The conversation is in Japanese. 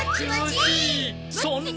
そんな！